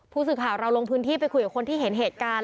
ผู้สื่อข่าวเราลงพื้นที่ไปคุยกับคนที่เห็นเหตุการณ์